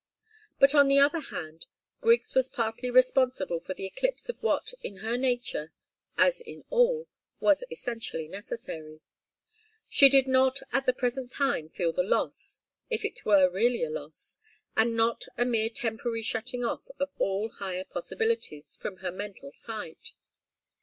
But, on the other hand, Griggs was partly responsible for the eclipse of what, in her nature, as in all, was essentially necessary. She did not at the present time feel the loss, if it were really a loss, and not a mere temporary shutting off of all higher possibilities from her mental sight.